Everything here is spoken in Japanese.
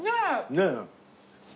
ねえ。